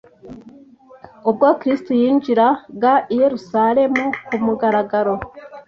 ubwo Kristo yinjiraga i Yerusalemu ku mugaragaro